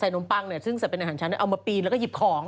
ใส่นมปังเนี่ยซึ่งเป็นอาหารชาติเอามาปีนแล้วก็หยิบของ